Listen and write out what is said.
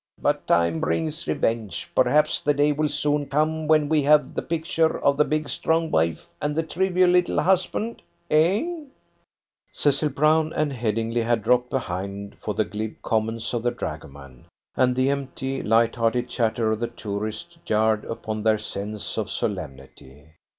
But time brings revenge. Perhaps the day will soon come when we have the picture of the big strong wife and the trivial little husband hein?" Cecil Brown and Headingly had dropped behind, for the glib comments of the dragoman, and the empty, light hearted chatter of the tourists jarred upon their sense of solemnity.